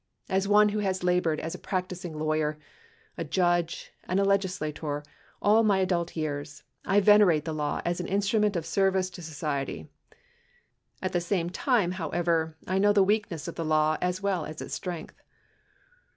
As one who has labored as a practicing lawyer, a judge, and a legislator all of my adult years, I venerate the law as an instrument of service to so ciety. At the same time, however, I know the weakness of the law as Aveli as its strength.